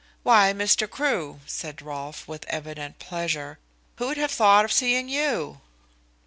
"Why, Mr. Crewe," said Rolfe, with evident pleasure, "who'd have thought of seeing you?"